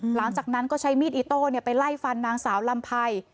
หลังจากนั้นก็ใช้มีดอิโต้ไปไล่ฟันนางสาวลำไพร